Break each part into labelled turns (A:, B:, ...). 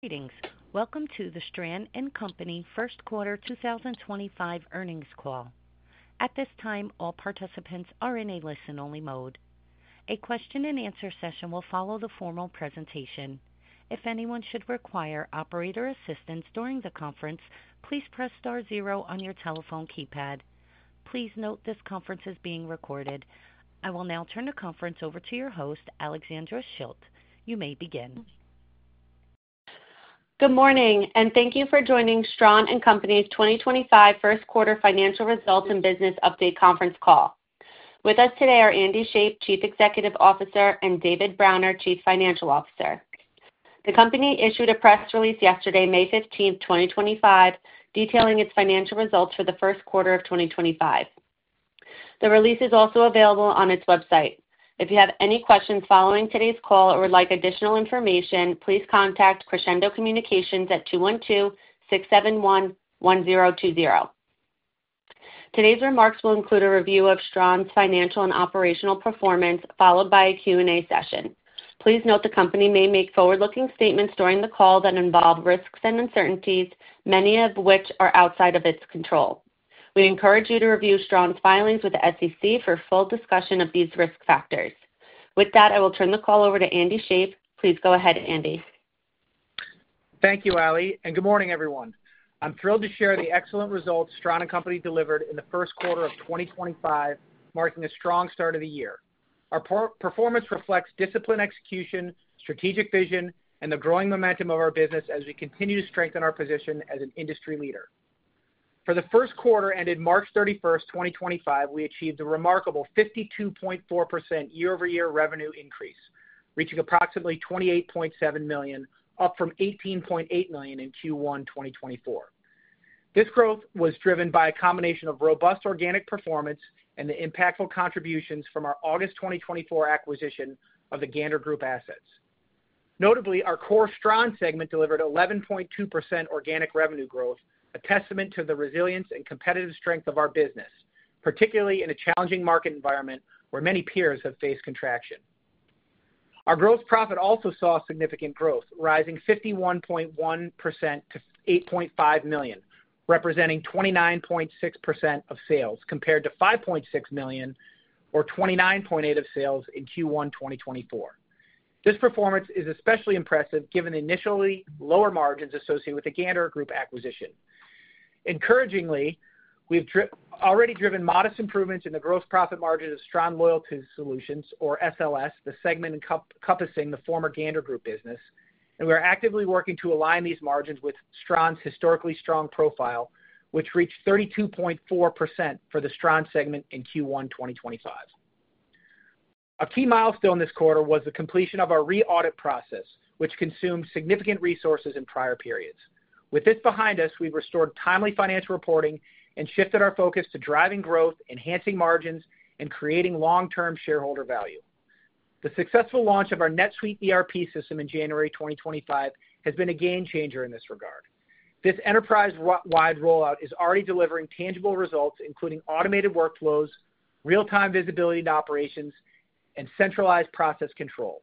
A: Greetings. Welcome to the Stran & Company first quarter 2025 earnings call. At this time, all participants are in a listen-only mode. A question-and-answer session will follow the formal presentation. If anyone should require operator assistance during the conference, please press star zero on your telephone keypad. Please note this conference is being recorded. I will now turn the conference over to your host, Alexandra Schilt. You may begin.
B: Good morning, and thank you for joining Stran & Company's 2025 first quarter financial results and business update conference call. With us today are Andy Shape, Chief Executive Officer, and David Browner, Chief Financial Officer. The company issued a press release yesterday, May 15th, 2025, detailing its financial results for the first quarter of 2025. The release is also available on its website. If you have any questions following today's call or would like additional information, please contact Crescendo Communications at 212-671-1020. Today's remarks will include a review of Stran's financial and operational performance, followed by a Q&A session. Please note the company may make forward-looking statements during the call that involve risks and uncertainties, many of which are outside of its control. We encourage you to review Stran's filings with the SEC for full discussion of these risk factors. With that, I will turn the call over to Andy Shape. Please go ahead, Andy.
C: Thank you, Ali, and good morning, everyone. I'm thrilled to share the excellent results Stran & Company delivered in the first quarter of 2025, marking a strong start of the year. Our performance reflects disciplined execution, strategic vision, and the growing momentum of our business as we continue to strengthen our position as an industry leader. For the first quarter ended March 31, 2025, we achieved a remarkable 52.4% year-over-year revenue increase, reaching approximately $28.7 million, up from $18.8 million in Q1 2024. This growth was driven by a combination of robust organic performance and the impactful contributions from our August 2024 acquisition of the Gander Group assets. Notably, our core Stran segment delivered 11.2% organic revenue growth, a testament to the resilience and competitive strength of our business, particularly in a challenging market environment where many peers have faced contraction. Our gross profit also saw significant growth, rising 51.1% to $8.5 million, representing 29.6% of sales, compared to $5.6 million or 29.8% of sales in Q1 2024. This performance is especially impressive given the initially lower margins associated with the Gander Group acquisition. Encouragingly, we've already driven modest improvements in the gross profit margin of Stran Loyalty Solutions, or SLS, the segment encompassing the former Gander Group business, and we are actively working to align these margins with Stran's historically strong profile, which reached 32.4% for the Stran segment in Q1 2025. A key milestone this quarter was the completion of our re-audit process, which consumed significant resources in prior periods. With this behind us, we've restored timely financial reporting and shifted our focus to driving growth, enhancing margins, and creating long-term shareholder value. The successful launch of our NetSuite ERP system in January 2025 has been a game-changer in this regard. This enterprise-wide rollout is already delivering tangible results, including automated workflows, real-time visibility into operations, and centralized process control.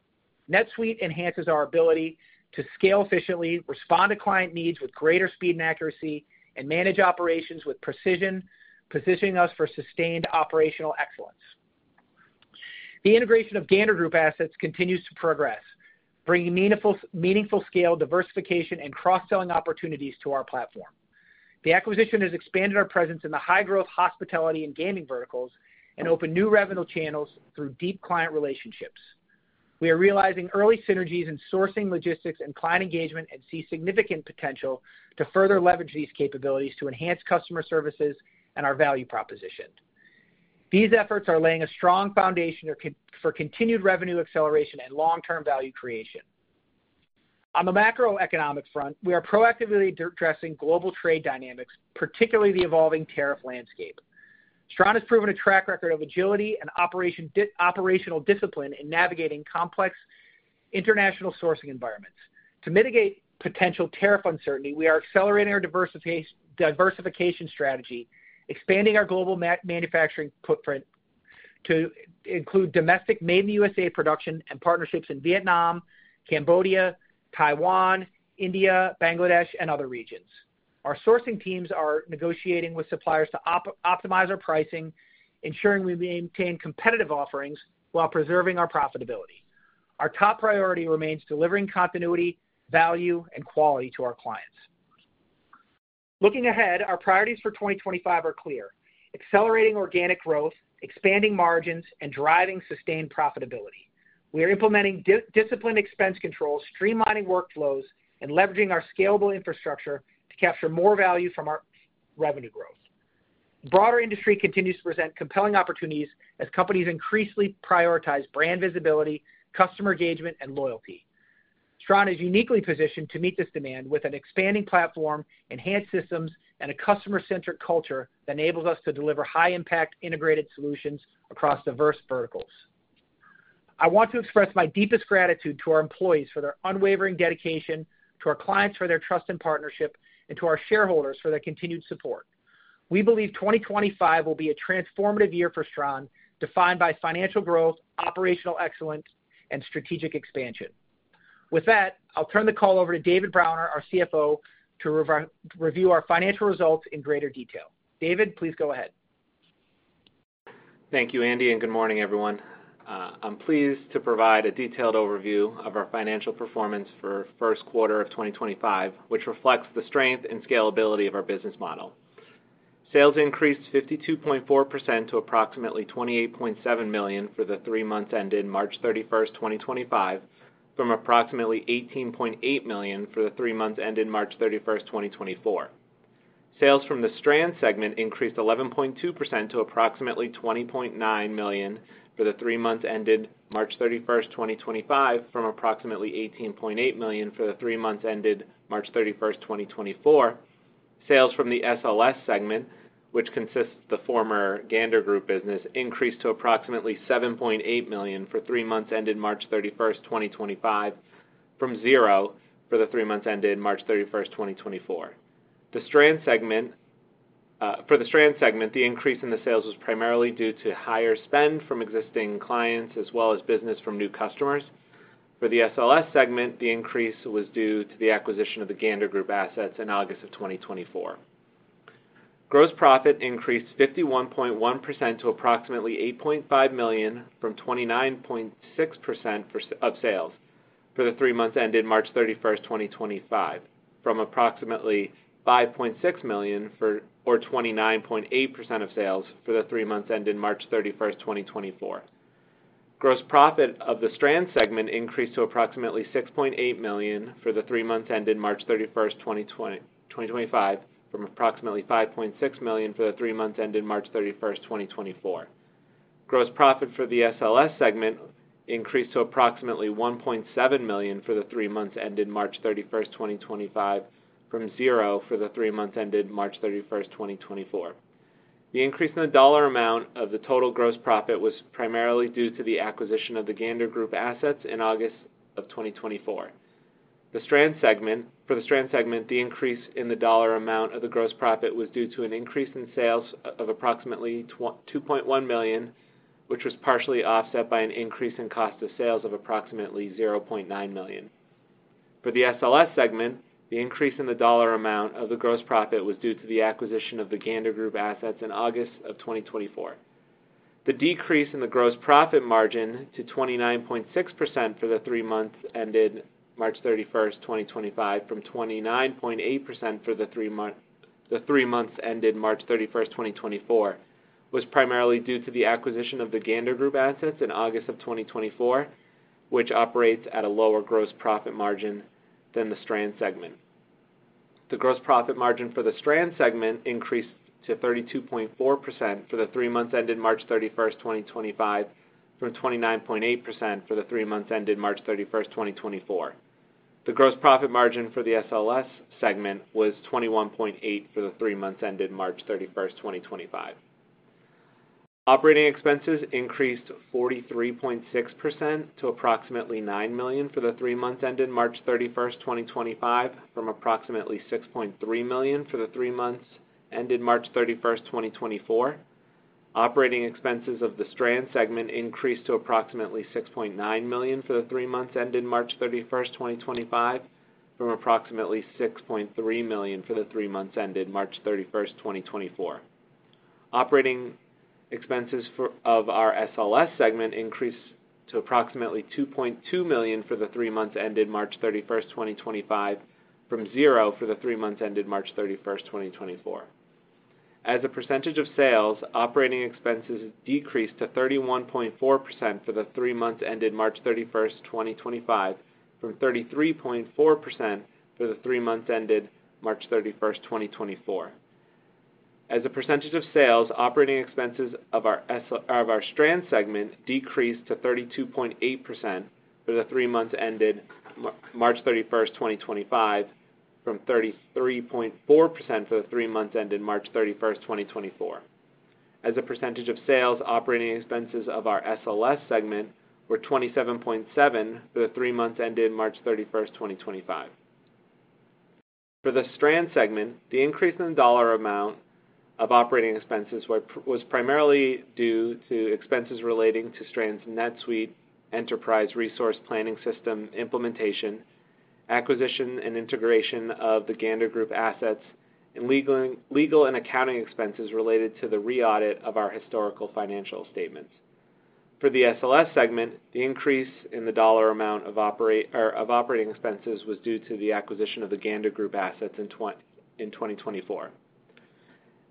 C: NetSuite enhances our ability to scale efficiently, respond to client needs with greater speed and accuracy, and manage operations with precision, positioning us for sustained operational excellence. The integration of Gander Group assets continues to progress, bringing meaningful scale, diversification, and cross-selling opportunities to our platform. The acquisition has expanded our presence in the high-growth hospitality and gaming verticals and opened new revenue channels through deep client relationships. We are realizing early synergies in sourcing logistics and client engagement and see significant potential to further leverage these capabilities to enhance customer services and our value proposition. These efforts are laying a strong foundation for continued revenue acceleration and long-term value creation. On the macroeconomic front, we are proactively addressing global trade dynamics, particularly the evolving tariff landscape. Stran has proven a track record of agility and operational discipline in navigating complex international sourcing environments. To mitigate potential tariff uncertainty, we are accelerating our diversification strategy, expanding our global manufacturing footprint to include domestic Made in the U.S.A production and partnerships in Vietnam, Cambodia, Taiwan, India, Bangladesh, and other regions. Our sourcing teams are negotiating with suppliers to optimize our pricing, ensuring we maintain competitive offerings while preserving our profitability. Our top priority remains delivering continuity, value, and quality to our clients. Looking ahead, our priorities for 2025 are clear: accelerating organic growth, expanding margins, and driving sustained profitability. We are implementing disciplined expense controls, streamlining workflows, and leveraging our scalable infrastructure to capture more value from our revenue growth. The broader industry continues to present compelling opportunities as companies increasingly prioritize brand visibility, customer engagement, and loyalty. Stran is uniquely positioned to meet this demand with an expanding platform, enhanced systems, and a customer-centric culture that enables us to deliver high-impact integrated solutions across diverse verticals. I want to express my deepest gratitude to our employees for their unwavering dedication, to our clients for their trust and partnership, and to our shareholders for their continued support. We believe 2025 will be a transformative year for Stran, defined by financial growth, operational excellence, and strategic expansion. With that, I'll turn the call over to David Browner, our CFO, to review our financial results in greater detail. David, please go ahead.
D: Thank you, Andy, and good morning, everyone. I'm pleased to provide a detailed overview of our financial performance for first quarter of 2025, which reflects the strength and scalability of our business model. Sales increased 52.4% to approximately $28.7 million for the three months ended March 31, 2025, from approximately $18.8 million for the three months ended March 31, 2024. Sales from the Stran segment increased 11.2% to approximately $20.9 million for the three months ended March 31, 2025, from approximately $18.8 million for the three months ended March 31, 2024. Sales from the SLS segment, which consists of the former Gander Group business, increased to approximately $7.8 million for three months ended March 31, 2025, from zero for the three months ended March 31, 2024. For the Stran segment, the increase in the sales was primarily due to higher spend from existing clients as well as business from new customers. For the SLS segment, the increase was due to the acquisition of the Gander Group assets in August 2024. Gross profit increased 51.1% to approximately $8.5 million from 29.6% of sales for the three months ended March 31, 2025, from approximately $5.6 million or 29.8% of sales for the three months ended March 31, 2024. Gross profit of the Stran segment increased to approximately $6.8 million for the three months ended March 31, 2025, from approximately $5.6 million for the three months ended March 31, 2024. Gross profit for the SLS segment increased to approximately $1.7 million for the three months ended March 31, 2025, from zero for the three months ended March 31, 2024. The increase in the dollar amount of the total gross profit was primarily due to the acquisition of the Gander Group assets in August of 2024. For the Stran segment, the increase in the dollar amount of the gross profit was due to an increase in sales of approximately $2.1 million, which was partially offset by an increase in cost of sales of approximately $0.9 million. For the SLS segment, the increase in the dollar amount of the gross profit was due to the acquisition of the Gander Group assets in August of 2024. The decrease in the gross profit margin to 29.6% for the three months ended March 31, 2025, from 29.8% for the three months ended March 31, 2024, was primarily due to the acquisition of the Gander Group assets in August of 2024, which operates at a lower gross profit margin than the Stran segment. The gross profit margin for the Stran segment increased to 32.4% for the three months ended March 31, 2025, from 29.8% for the three months ended March 31, 2024. The gross profit margin for the SLS segment was 21.8% for the three months ended March 31, 2025. Operating expenses increased 43.6% to approximately $9 million for the three months ended March 31, 2025, from approximately $6.3 million for the three months ended March 31, 2024. Operating expenses of the Stran segment increased to approximately $6.9 million for the three months ended March 31, 2025, from approximately $6.3 million for the three months ended March 31, 2024. Operating expenses of our SLS segment increased to approximately $2.2 million for the three months ended March 31, 2025, from zero for the three months ended March 31, 2024. As a percentage of sales, operating expenses decreased to 31.4% for the three months ended March 31, 2025, from 33.4% for the three months ended March 31, 2024. As a percentage of sales, operating expenses of our Stran segment decreased to 32.8% for the three months ended March 31, 2025, from 33.4% for the three months ended March 31, 2024. As a percentage of sales, operating expenses of our SLS segment were 27.7% for the three months ended March 31, 2025. For the Stran segment, the increase in the dollar amount of operating expenses was primarily due to expenses relating to Stran's NetSuite ERP system implementation, acquisition and integration of the Gander Group assets, and legal and accounting expenses related to the re-audit of our historical financial statements. For the SLS segment, the increase in the dollar amount of operating expenses was due to the acquisition of the Gander Group assets in 2024.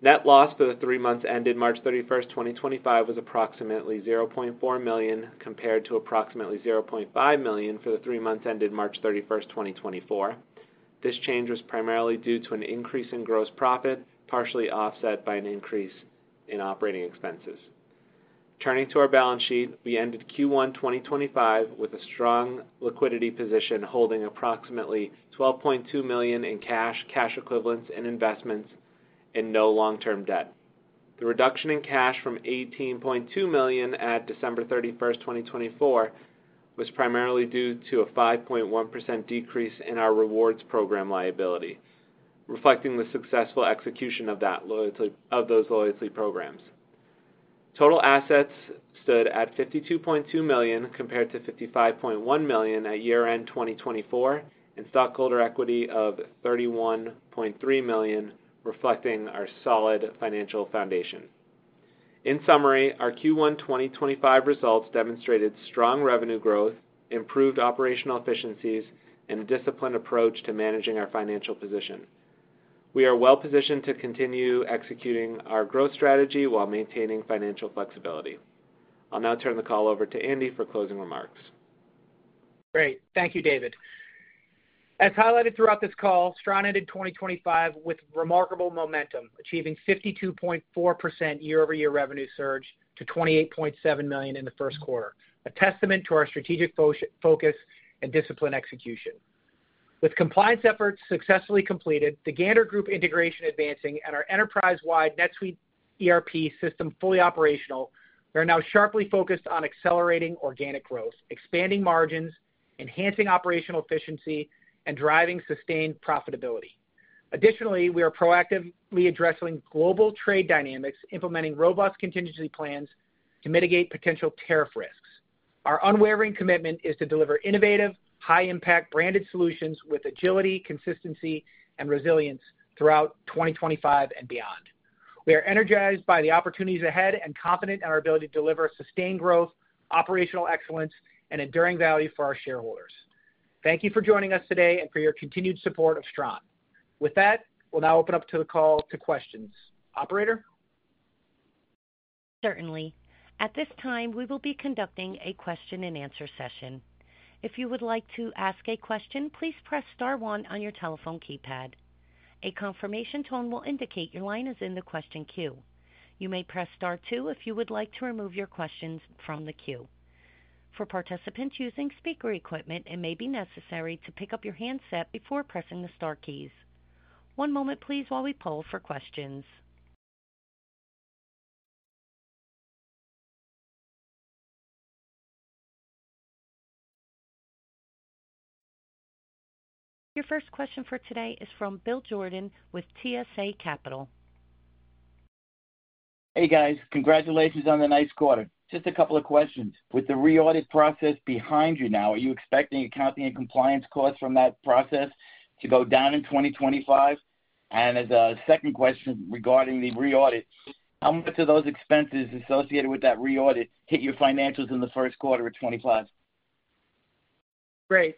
D: Net loss for the three months ended March 31, 2025, was approximately $0.4 million compared to approximately $0.5 million for the three months ended March 31, 2024. This change was primarily due to an increase in gross profit, partially offset by an increase in operating expenses. Turning to our balance sheet, we ended Q1 2025 with a strong liquidity position holding approximately $12.2 million in cash, cash equivalents, and investments, and no long-term debt. The reduction in cash from $18.2 million at December 31, 2024, was primarily due to a 5.1% decrease in our rewards program liability, reflecting the successful execution of those loyalty programs. Total assets stood at $52.2 million compared to $55.1 million at year-end 2024, and stockholder equity of $31.3 million, reflecting our solid financial foundation. In summary, our Q1 2025 results demonstrated strong revenue growth, improved operational efficiencies, and a disciplined approach to managing our financial position. We are well-positioned to continue executing our growth strategy while maintaining financial flexibility. I'll now turn the call over to Andy for closing remarks.
C: Great. Thank you, David. As highlighted throughout this call, Stran ended 2025 with remarkable momentum, achieving a 52.4% year-over-year revenue surge to $28.7 million in the first quarter, a testament to our strategic focus and disciplined execution. With compliance efforts successfully completed, the Gander Group integration advancing, and our enterprise-wide NetSuite ERP system fully operational, we are now sharply focused on accelerating organic growth, expanding margins, enhancing operational efficiency, and driving sustained profitability. Additionally, we are proactively addressing global trade dynamics, implementing robust contingency plans to mitigate potential tariff risks. Our unwavering commitment is to deliver innovative, high-impact branded solutions with agility, consistency, and resilience throughout 2025 and beyond. We are energized by the opportunities ahead and confident in our ability to deliver sustained growth, operational excellence, and enduring value for our shareholders. Thank you for joining us today and for your continued support of Stran. With that, we'll now open up the call to questions. Operator?
A: Certainly. At this time, we will be conducting a question-and-answer session. If you would like to ask a question, please press Star 1 on your telephone keypad. A confirmation tone will indicate your line is in the question queue. You may press Star 2 if you would like to remove your questions from the queue. For participants using speaker equipment, it may be necessary to pick up your handset before pressing the Star keys. One moment, please, while we poll for questions. Your first question for today is from Bill Jordan with TSA Capital.
E: Hey, guys. Congratulations on the nice quarter. Just a couple of questions. With the re-audit process behind you now, are you expecting accounting and compliance costs from that process to go down in 2025? As a second question regarding the re-audit, how much of those expenses associated with that re-audit hit your financials in the first quarter of 2025?
C: Great.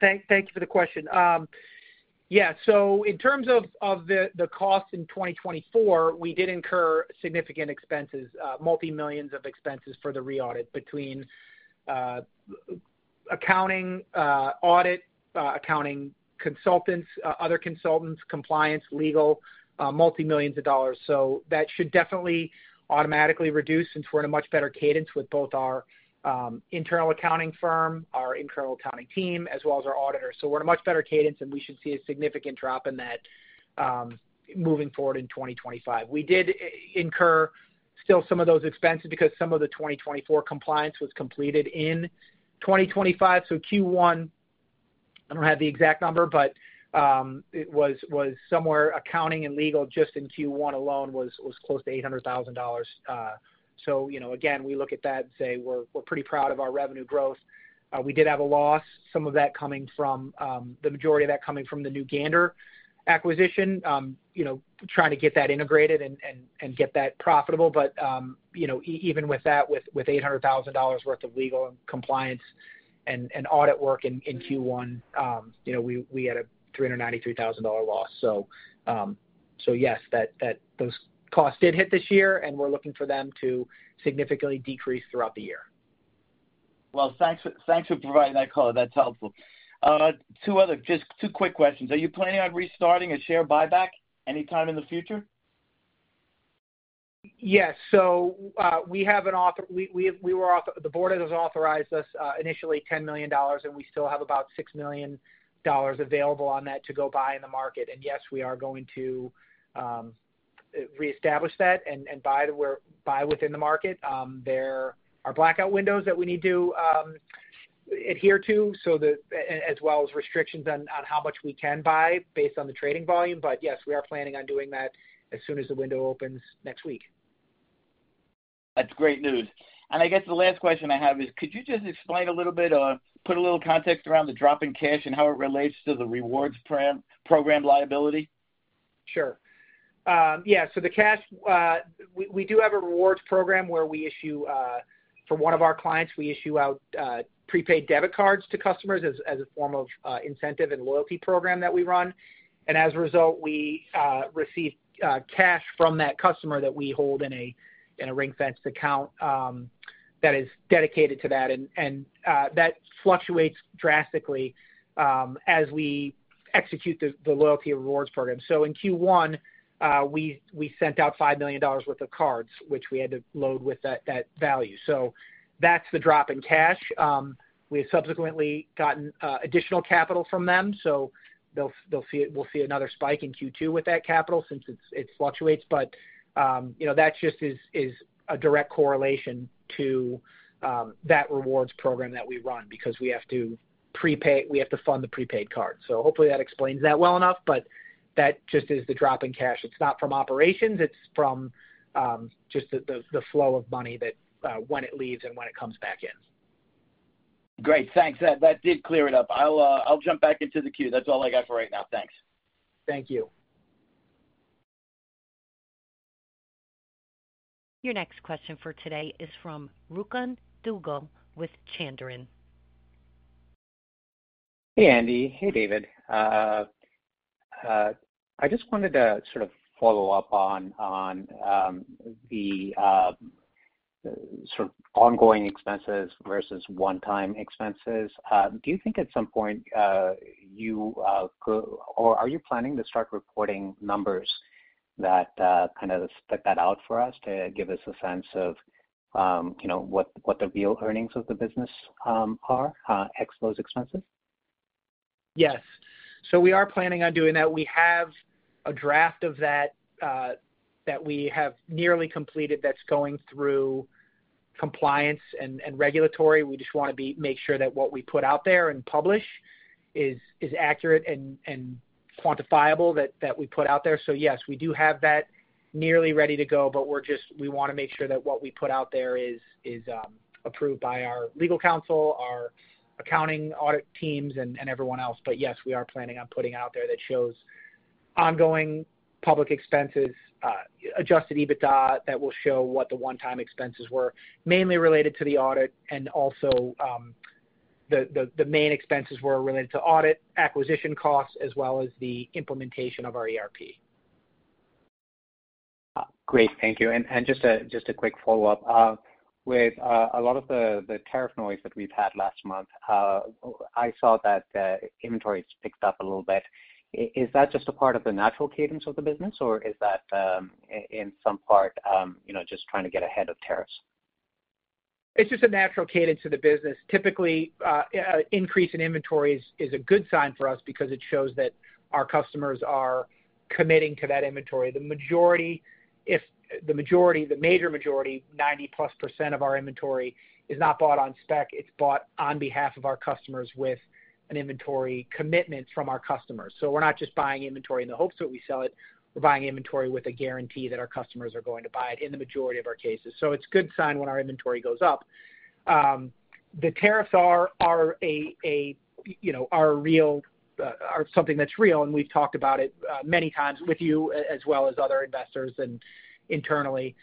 C: Thank you for the question. Yeah. In terms of the cost in 2024, we did incur significant expenses, multi-millions of expenses for the re-audit between accounting, audit, accounting consultants, other consultants, compliance, legal, multi-millions of dollars. That should definitely automatically reduce since we're in a much better cadence with both our internal accounting firm, our internal accounting team, as well as our auditors. We're in a much better cadence, and we should see a significant drop in that moving forward in 2025. We did incur still some of those expenses because some of the 2024 compliance was completed in 2025. Q1, I don't have the exact number, but it was somewhere accounting and legal just in Q1 alone was close to $800,000. Again, we look at that and say we're pretty proud of our revenue growth. We did have a loss, some of that coming from, the majority of that coming from the new Gander acquisition, trying to get that integrated and get that profitable. Even with that, with $800,000 worth of legal and compliance and audit work in Q1, we had a $393,000 loss. Yes, those costs did hit this year, and we're looking for them to significantly decrease throughout the year.
E: Thanks for providing that call. That's helpful. Just two quick questions. Are you planning on restarting a share buyback anytime in the future?
C: Yes. We were authorized, the board has authorized us initially $10 million, and we still have about $6 million available on that to go buy in the market. Yes, we are going to reestablish that and buy within the market. There are blackout windows that we need to adhere to, as well as restrictions on how much we can buy based on the trading volume. Yes, we are planning on doing that as soon as the window opens next week.
E: That's great news. I guess the last question I have is, could you just explain a little bit or put a little context around the drop in cash and how it relates to the rewards program liability?
C: Sure. Yeah. We do have a rewards program where we issue for one of our clients, we issue out prepaid debit cards to customers as a form of incentive and loyalty program that we run. As a result, we receive cash from that customer that we hold in a ring-fenced account that is dedicated to that. That fluctuates drastically as we execute the loyalty rewards program. In Q1, we sent out $5 million worth of cards, which we had to load with that value. That is the drop in cash. We have subsequently gotten additional capital from them. We will see another spike in Q2 with that capital since it fluctuates. That just is a direct correlation to that rewards program that we run because we have to fund the prepaid cards. Hopefully, that explains that well enough. That just is the drop in cash. It's not from operations. It's from just the flow of money when it leaves and when it comes back in.
E: Great. Thanks. That did clear it up. I'll jump back into the queue. That's all I got for right now. Thanks.
C: Thank you.
A: Your next question for today is from Rukan Dugo with Chandran.
F: Hey, Andy. Hey, David. I just wanted to sort of follow up on the sort of ongoing expenses versus one-time expenses. Do you think at some point you, or are you planning to start reporting numbers that kind of spit that out for us to give us a sense of what the real earnings of the business are, exposed expenses?
C: Yes. We are planning on doing that. We have a draft of that that we have nearly completed that's going through compliance and regulatory. We just want to make sure that what we put out there and publish is accurate and quantifiable that we put out there. Yes, we do have that nearly ready to go, but we want to make sure that what we put out there is approved by our legal counsel, our accounting audit teams, and everyone else. Yes, we are planning on putting it out there that shows ongoing public expenses, adjusted EBITDA that will show what the one-time expenses were, mainly related to the audit and also the main expenses were related to audit acquisition costs as well as the implementation of our ERP.
F: Great. Thank you. Just a quick follow-up. With a lot of the tariff noise that we've had last month, I saw that inventory has picked up a little bit. Is that just a part of the natural cadence of the business, or is that in some part just trying to get ahead of tariffs?
C: It's just a natural cadence of the business. Typically, an increase in inventory is a good sign for us because it shows that our customers are committing to that inventory. The majority, the major majority, 90+ % of our inventory is not bought on spec. It's bought on behalf of our customers with an inventory commitment from our customers. We're not just buying inventory in the hopes that we sell it. We're buying inventory with a guarantee that our customers are going to buy it in the majority of our cases. It's a good sign when our inventory goes up. The tariffs are real, or something that's real, and we've talked about it many times with you as well as other investors and internally.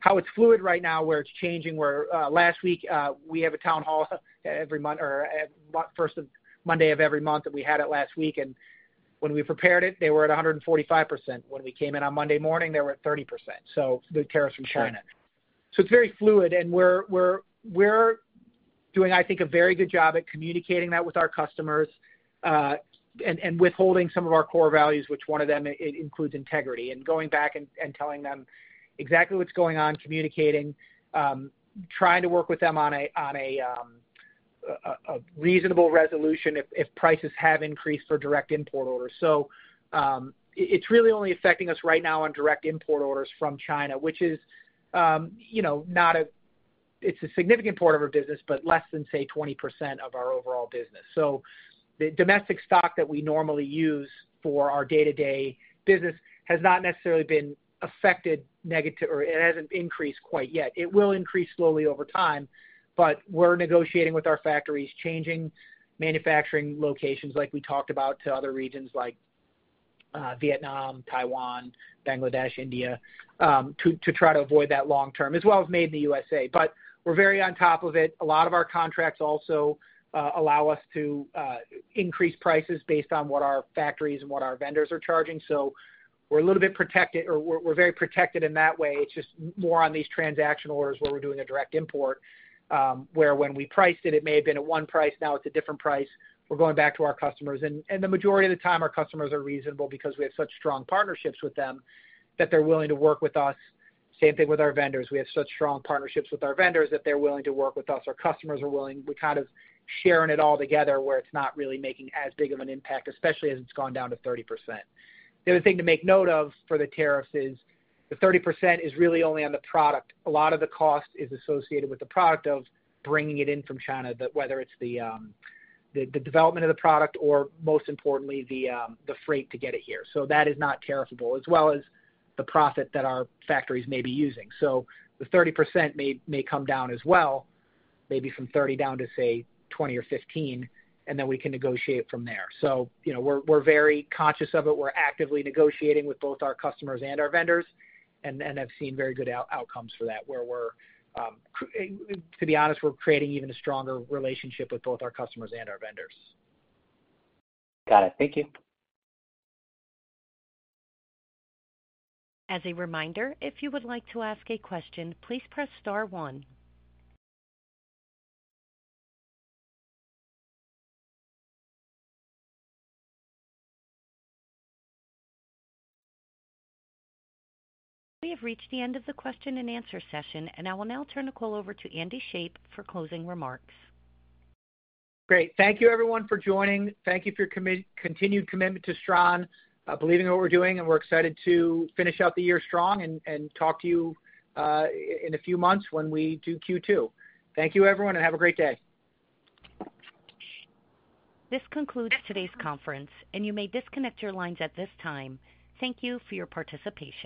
C: How it's fluid right now, where it's changing, where last week we have a town hall every month or first Monday of every month that we had it last week. And when we prepared it, they were at 145%. When we came in on Monday morning, they were at 30%. The tariffs from China. It is very fluid. We are doing, I think, a very good job at communicating that with our customers and withholding some of our core values, which one of them includes integrity and going back and telling them exactly what's going on, communicating, trying to work with them on a reasonable resolution if prices have increased for direct import orders. It is really only affecting us right now on direct import orders from China, which is not a—it is a significant part of our business, but less than, say, 20% of our overall business. The domestic stock that we normally use for our day-to-day business has not necessarily been affected negatively or it has not increased quite yet. It will increase slowly over time, but we are negotiating with our factories, changing manufacturing locations like we talked about to other regions like Vietnam, Taiwan, Bangladesh, India to try to avoid that long-term, as well as made in the U.S.A. We are very on top of it. A lot of our contracts also allow us to increase prices based on what our factories and what our vendors are charging. We are a little bit protected or we are very protected in that way. It is just more on these transactional orders where we are doing a direct import, where when we priced it, it may have been at one price. Now it is a different price. We are going back to our customers. The majority of the time, our customers are reasonable because we have such strong partnerships with them that they're willing to work with us. Same thing with our vendors. We have such strong partnerships with our vendors that they're willing to work with us. Our customers are willing. We're kind of sharing it all together where it's not really making as big of an impact, especially as it's gone down to 30%. The other thing to make note of for the tariffs is the 30% is really only on the product. A lot of the cost is associated with the product of bringing it in from China, whether it's the development of the product or, most importantly, the freight to get it here. That is not tariffable, as well as the profit that our factories may be using. The 30% may come down as well, maybe from 30% down to, say, 20% or 15%, and then we can negotiate from there. We are very conscious of it. We are actively negotiating with both our customers and our vendors, and I have seen very good outcomes for that, where we are, to be honest, creating even a stronger relationship with both our customers and our vendors.
F: Got it. Thank you.
A: As a reminder, if you would like to ask a question, please press Star 1. We have reached the end of the question-and-answer session, and I will now turn the call over to Andy Shape for closing remarks.
C: Great. Thank you, everyone, for joining. Thank you for your continued commitment to Stran, believing in what we're doing, and we're excited to finish out the year strong and talk to you in a few months when we do Q2. Thank you, everyone, and have a great day.
A: This concludes today's conference, and you may disconnect your lines at this time. Thank you for your participation.